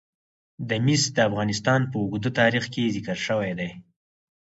مس د افغانستان په اوږده تاریخ کې ذکر شوی دی.